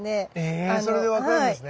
えそれで分かるんですね？